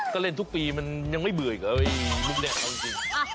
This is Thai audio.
ก็เล่นทุกปีมันยังไม่เบื่ออีกเหรอลูกแน่